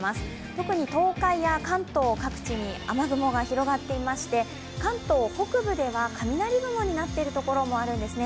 特に東海や関東各地に雨雲が広がっていまして関東北部では雷雲になっている所もあるんですね。